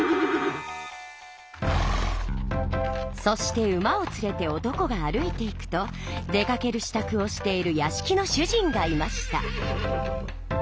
そして馬をつれて男が歩いていくと出かけるしたくをしているやしきの主人がいました。